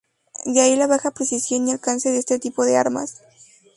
De ahí la baja precisión y alcance de este tipo de armas.